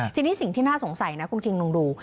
ทีนี้สิ่งที่น่าสงสัยนะคุณคิงลองดู